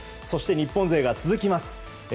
そして日本勢が続きます。